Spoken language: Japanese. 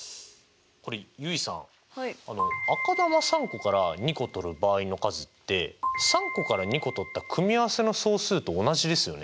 これ結衣さん赤球３個から２個取る場合の数って３個から２個取った組合せの総数と同じですよね。